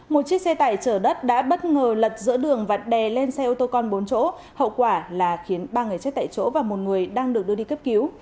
một chiếc xe tải chở đất đã bất ngờ lật giữa đường và đè lên xe ô tô con bốn chỗ hậu quả là khiến ba người chết tại chỗ và một người đang được đưa đi cấp cứu